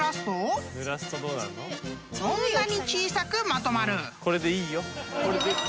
［こんなに小さくまとまる］